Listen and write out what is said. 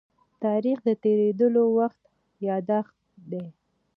تاریخ د تېرېدلو وخت يادښت دی.